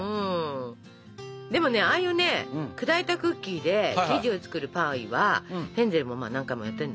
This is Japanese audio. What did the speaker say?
でもねああいうね砕いたクッキーで生地を作るパイはヘンゼルも何回もやってるんだけど。